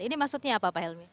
ini maksudnya apa pak helmi